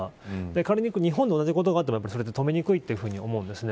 仮に日本で同じことがあってもそれは止めにくいと思うんです。